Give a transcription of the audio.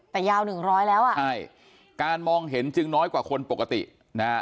แต่ยาวหนึ่งร้อยแล้วอ่ะใช่การมองเห็นจึงน้อยกว่าคนปกตินะฮะ